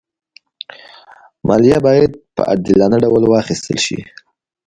مالیه باید په عادلانه ډول واخېستل شي.